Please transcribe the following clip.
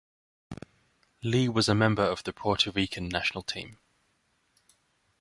Lee was a member of the Puerto Rican national team.